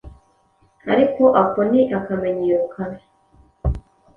ariko ako ni akamenyero kabi.